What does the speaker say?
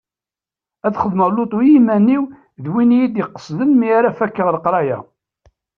Ad xedmeɣ lutu i yiman-iw d win iyi-id-iqesden mi ara fakeɣ leqraya.